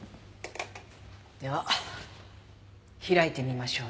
では開いてみましょうね。